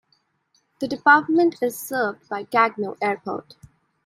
The department is served by Gagnoa Airport.